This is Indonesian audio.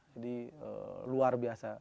jadi luar biasa